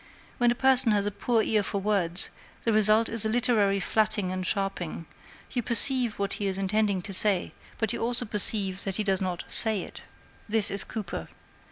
When a person has a poor ear for words, the result is a literary flatting and sharping; you perceive what he is intending to say, but you also perceive that he doesn't say it. This is Cooper.